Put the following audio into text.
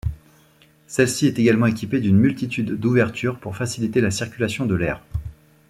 Celle-ci est également équipée d'une multitude d'ouvertures pour faciliter la circulation de l'air.